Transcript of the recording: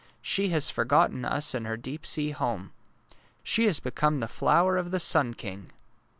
She has forgotten us and her deep sea home. She has become the flower of the sun king!